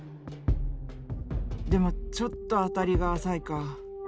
でもちょっと当たりが浅いか。